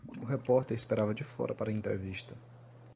O repórter esperava de fora para a entrevista.